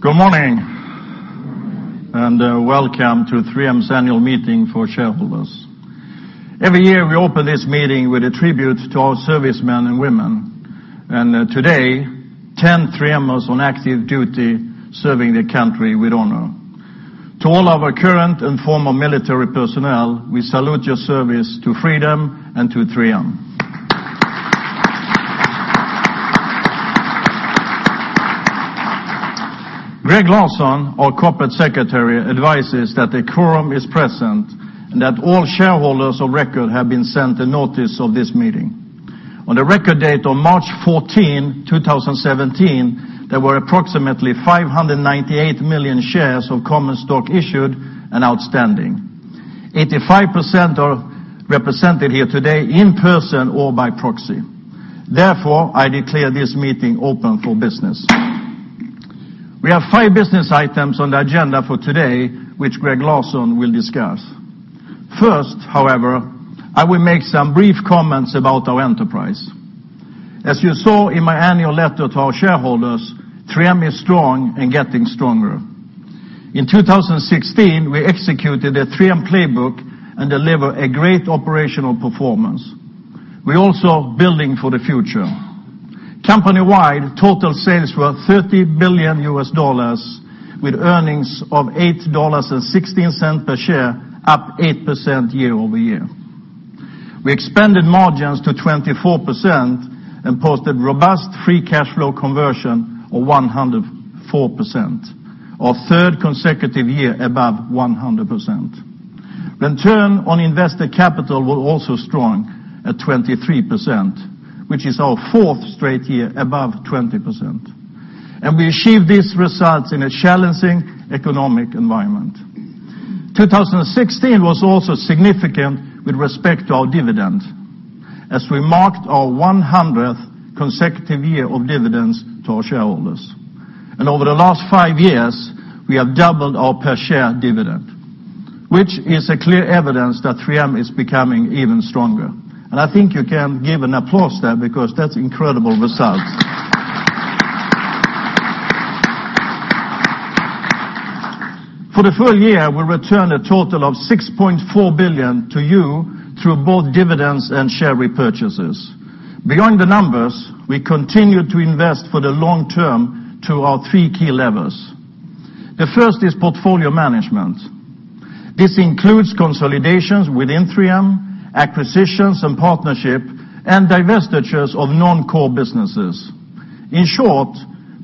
Good morning, welcome to 3M's Annual Shareholders Meeting for shareholders. Every year, we open this meeting with a tribute to our servicemen and women. Today, 10 3Mers on active duty serving their country with honor. To all of our current and former military personnel, we salute your service to freedom and to 3M. Gregg Larson, our corporate secretary, advises that a quorum is present and that all shareholders of record have been sent a notice of this meeting. On the record date of March 14, 2017, there were approximately 598 million shares of common stock issued and outstanding. 85% are represented here today in person or by proxy. Therefore, I declare this meeting open for business. We have five business items on the agenda for today, which Gregg Larson will discuss. First, however, I will make some brief comments about our enterprise. As you saw in my annual letter to our shareholders, 3M is strong and getting stronger. In 2016, we executed a 3M playbook and delivered a great operational performance. We're also building for the future. Company-wide total sales were $30 billion with earnings of $8.16 per share, up 8% year-over-year. We expanded margins to 24% and posted robust free cash flow conversion of 104%, our third consecutive year above 100%. Return on invested capital was also strong at 23%, which is our fourth straight year above 20%, and we achieved these results in a challenging economic environment. 2016 was also significant with respect to our dividend, as we marked our 100th consecutive year of dividends to our shareholders. Over the last five years, we have doubled our per share dividend, which is clear evidence that 3M is becoming even stronger. I think you can give an applause there because that's incredible results. For the full year, we'll return a total of $6.4 billion to you through both dividends and share repurchases. Beyond the numbers, we continue to invest for the long term to our three key levers. The first is portfolio management. This includes consolidations within 3M, acquisitions and partnership, and divestitures of non-core businesses. In short,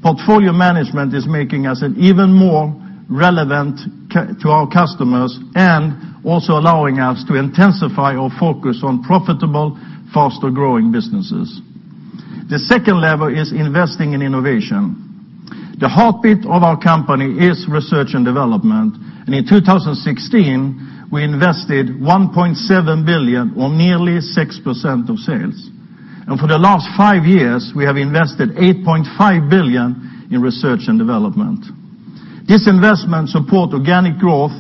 portfolio management is making us even more relevant to our customers and also allowing us to intensify our focus on profitable, faster-growing businesses. The second lever is investing in innovation. The heartbeat of our company is research and development, and in 2016, we invested $1.7 billion, or nearly 6% of sales. For the last five years, we have invested $8.5 billion in research and development. This investment supports organic growth,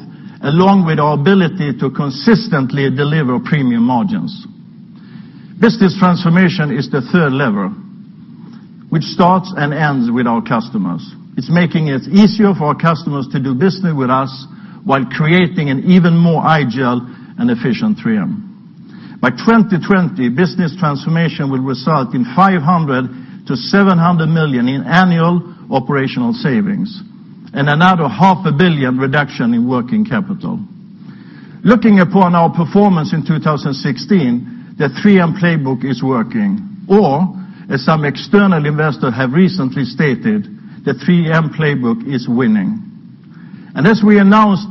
along with our ability to consistently deliver premium margins. Business transformation is the third lever, which starts and ends with our customers. It's making it easier for our customers to do business with us while creating an even more agile and efficient 3M. By 2020, business transformation will result in $500 million-$700 million in annual operational savings and another half a billion reduction in working capital. Looking upon our performance in 2016, the 3M playbook is working, or as some external investors have recently stated, the 3M playbook is winning. As we announced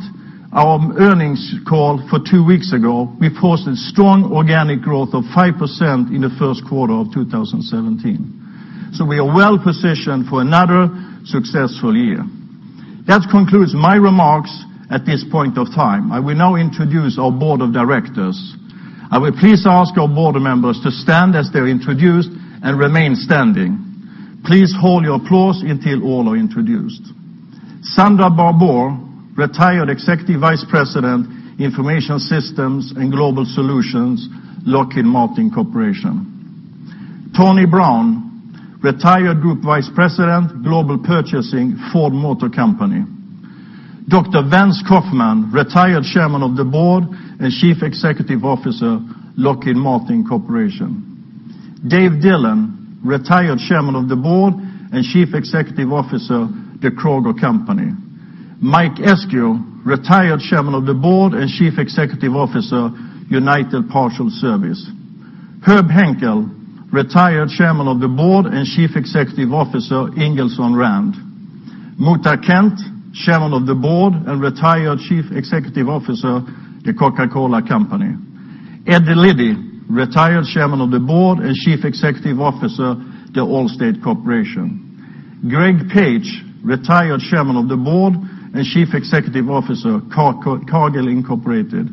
our earnings call for two weeks ago, we posted strong organic growth of 5% in the first quarter of 2017. We are well-positioned for another successful year. That concludes my remarks at this point of time. I will now introduce our board of directors. I will please ask our board members to stand as they're introduced and remain standing. Please hold your applause until all are introduced. Sondra Barbour, retired Executive Vice President, Information Systems and Global Solutions, Lockheed Martin Corporation. Tony Brown, retired Group Vice President, Global Purchasing, Ford Motor Company. Dr. Vance Coffman, retired Chairman of the Board and Chief Executive Officer, Lockheed Martin Corporation. Dave Dillon, retired Chairman of the Board and Chief Executive Officer, The Kroger Co. Mike Eskew, retired Chairman of the Board and Chief Executive Officer, United Parcel Service. Herb Henkel, retired Chairman of the Board and Chief Executive Officer, Ingersoll Rand. Muhtar Kent, Chairman of the Board and retired Chief Executive Officer, The Coca-Cola Company. Ed Liddy, retired Chairman of the Board and Chief Executive Officer, The Allstate Corporation. Greg Page, retired Chairman of the Board and Chief Executive Officer, Cargill, Incorporated.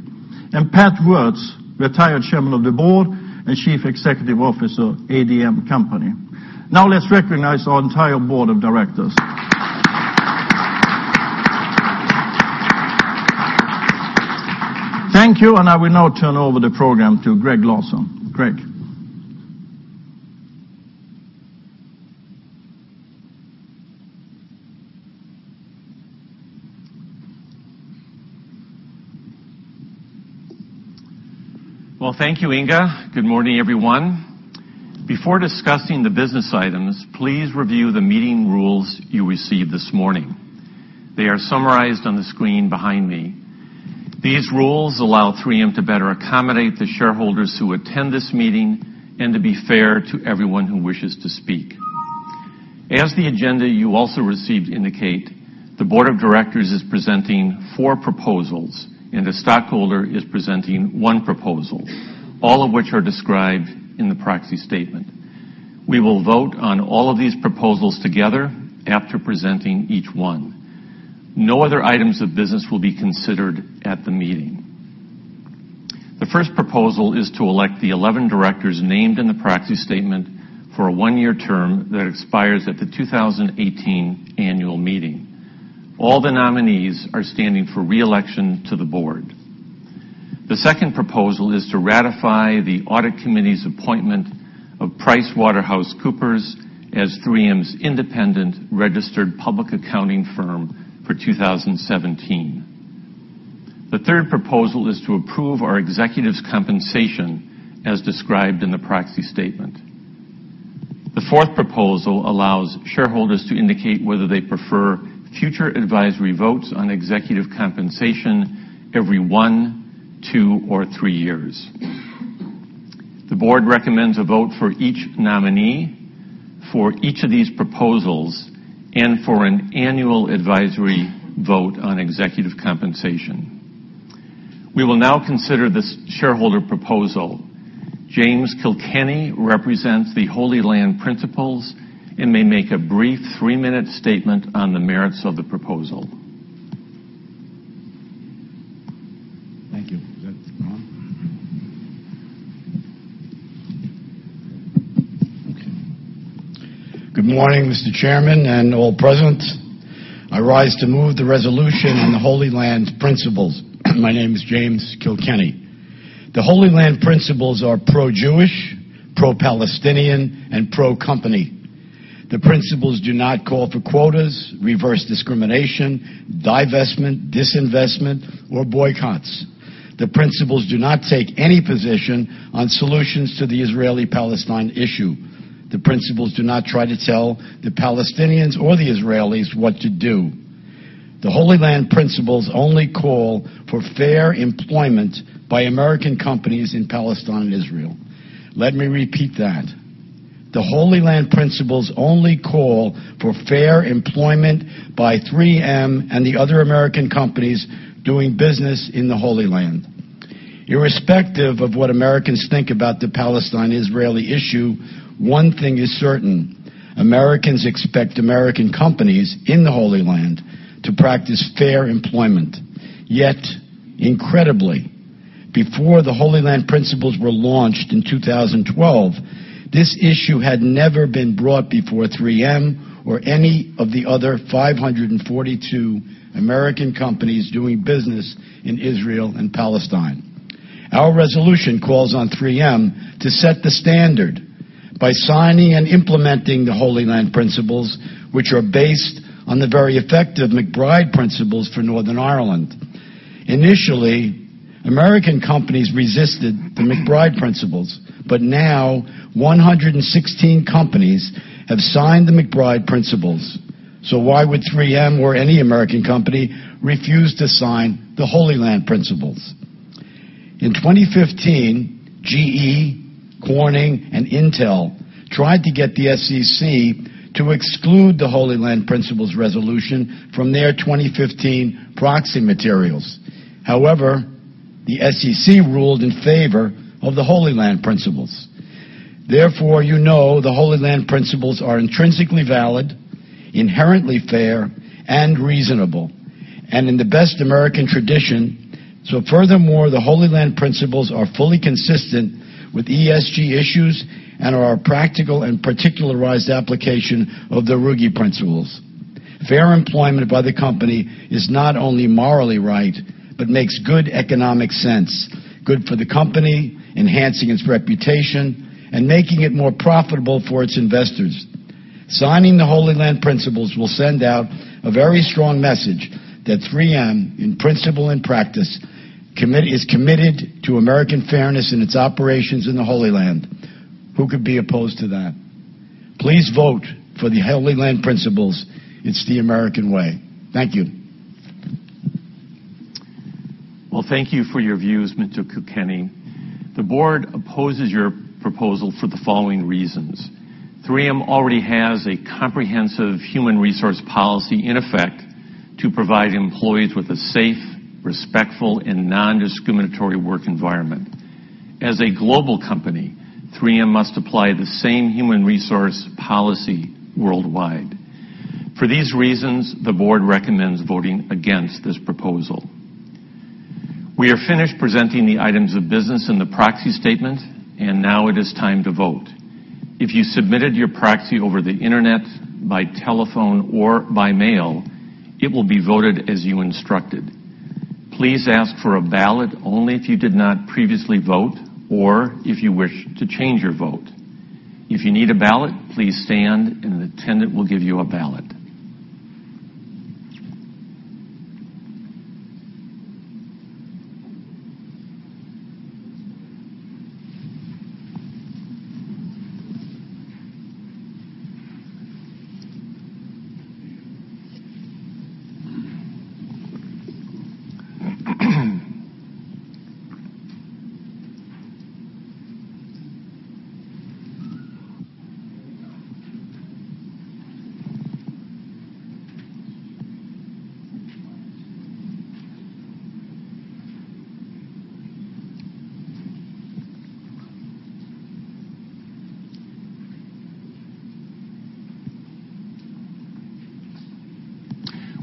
Pat Woertz, retired Chairman of the Board and Chief Executive Officer, ADM Company. Let's recognize our entire board of directors. Thank you. I will now turn over the program to Gregg Larson. Gregg? Thank you, Inge. Good morning, everyone. Before discussing the business items, please review the meeting rules you received this morning. They are summarized on the screen behind me. These rules allow 3M to better accommodate the shareholders who attend this meeting and to be fair to everyone who wishes to speak. As the agenda you also received indicate, the board of directors is presenting four proposals, a stockholder is presenting one proposal, all of which are described in the proxy statement. We will vote on all of these proposals together after presenting each one. No other items of business will be considered at the meeting. The first proposal is to elect the 11 directors named in the proxy statement for a one-year term that expires at the 2018 annual meeting. All the nominees are standing for re-election to the board. The second proposal is to ratify the audit committee's appointment of PricewaterhouseCoopers as 3M's independent registered public accounting firm for 2017. The third proposal is to approve our executives' compensation as described in the proxy statement. The fourth proposal allows shareholders to indicate whether they prefer future advisory votes on executive compensation every one, two, or three years. The board recommends a vote for each nominee, for each of these proposals, and for an annual advisory vote on executive compensation. We will now consider this shareholder proposal. James Kilkenny represents the Holy Land Principles and may make a brief three-minute statement on the merits of the proposal. Thank you. Is that on? Okay. Good morning, Mr. Chairman and all present. I rise to move the resolution on the Holy Land Principles. My name is James Kilkenny. The Holy Land Principles are pro-Jewish, pro-Palestinian, and pro-company. The principles do not call for quotas, reverse discrimination, divestment, disinvestment, or boycotts. The principles do not take any position on solutions to the Israeli-Palestine issue. The principles do not try to tell the Palestinians or the Israelis what to do. The Holy Land Principles only call for fair employment by American companies in Palestine and Israel. Let me repeat that. The Holy Land Principles only call for fair employment by 3M and the other American companies doing business in the Holy Land. Irrespective of what Americans think about the Palestine-Israeli issue, one thing is certain: Americans expect American companies in the Holy Land to practice fair employment. Incredibly, before the Holy Land Principles were launched in 2012, this issue had never been brought before 3M or any of the other 542 American companies doing business in Israel and Palestine. Our resolution calls on 3M to set the standard by signing and implementing the Holy Land Principles, which are based on the very effective MacBride Principles for Northern Ireland. Initially, American companies resisted the MacBride Principles, now 116 companies have signed the MacBride Principles. Why would 3M or any American company refuse to sign the Holy Land Principles? In 2015, GE, Corning, and Intel tried to get the SEC to exclude the Holy Land Principles resolution from their 2015 proxy materials. However, the SEC ruled in favor of the Holy Land Principles. Therefore, you know the Holy Land Principles are intrinsically valid, inherently fair and reasonable, and in the best American tradition. Furthermore, the Holy Land Principles are fully consistent with ESG issues and are a practical and particularized application of the Ruggie Principles. Fair employment by the company is not only morally right but makes good economic sense, good for the company, enhancing its reputation, and making it more profitable for its investors. Signing the Holy Land Principles will send out a very strong message that 3M, in principle and practice, is committed to American fairness in its operations in the Holy Land. Who could be opposed to that? Please vote for the Holy Land Principles. It's the American way. Thank you. Well, thank you for your views, Mr. Kilkenny. The board opposes your proposal for the following reasons: 3M already has a comprehensive human resource policy in effect to provide employees with a safe, respectful, and nondiscriminatory work environment. As a global company, 3M must apply the same human resource policy worldwide. For these reasons, the board recommends voting against this proposal. We are finished presenting the items of business in the proxy statement, now it is time to vote. If you submitted your proxy over the internet, by telephone, or by mail, it will be voted as you instructed. Please ask for a ballot only if you did not previously vote or if you wish to change your vote. If you need a ballot, please stand and an attendant will give you a ballot.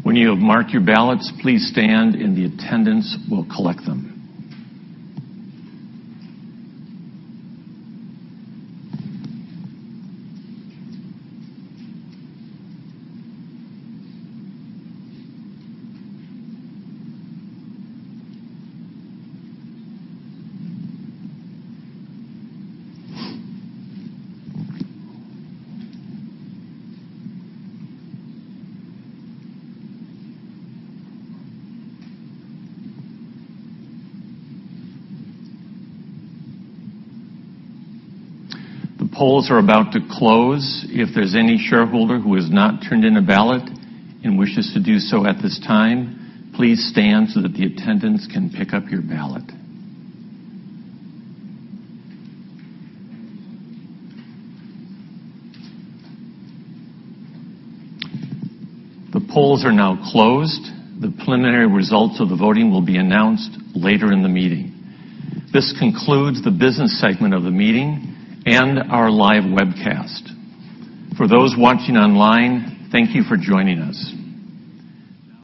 When you have marked your ballots, please stand and the attendants will collect them. The polls are about to close. If there's any shareholder who has not turned in a ballot and wishes to do so at this time, please stand so that the attendants can pick up your ballot. The polls are now closed. The preliminary results of the voting will be announced later in the meeting. This concludes the business segment of the meeting and our live webcast. For those watching online, thank you for joining us.